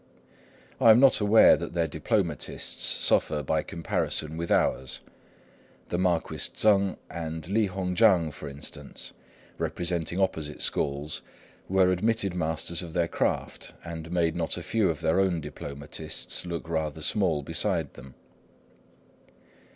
I am not aware that their diplomatists suffer by comparison with ours. The Marquis Tsêng and Li Hung chang, for instance, representing opposite schools, were admitted masters of their craft, and made not a few of our own diplomatists look rather small beside them.